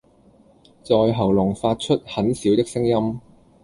在喉嚨發出很小的聲音